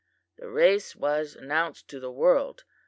"The race was announced to the world.